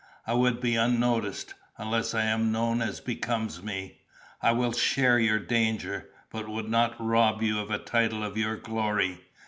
"I would be unnoticed, unless I am known as becomes me. I will share your danger, but would not rob you of a tittle of your glory.